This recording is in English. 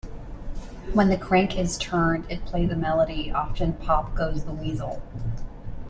When the crank is turned, it plays a melody, often "Pop Goes the Weasel".